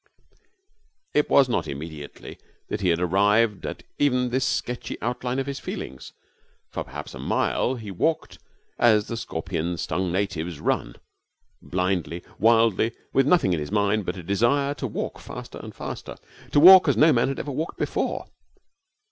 It was not immediately that he had arrived at even this sketchy outline of his feelings. For perhaps a mile he walked as the scorpion stung natives run blindly, wildly, with nothing in his mind but a desire to walk faster and faster, to walk as no man had ever walked before.